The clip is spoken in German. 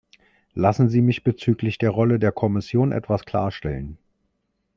Lassen Sie mich bezüglich der Rolle der Kommission etwas klarstellen.